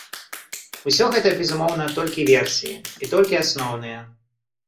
Усё гэта, безумоўна, толькі версіі, і толькі асноўныя.